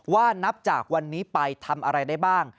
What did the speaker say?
นับจากวันนี้ไปทำอะไรได้บ้าง